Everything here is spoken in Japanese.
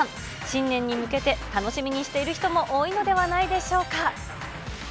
新年に向けて、楽しみにしている人も多いのではないでしょうか。